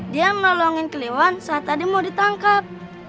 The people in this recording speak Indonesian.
dia menolongin kliwon saat tadi mau ditangkap